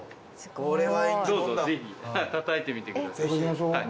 どうぞぜひたたいてみてください。